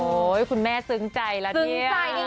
คุณแม่ซึ้งใจแล้วเนี่ย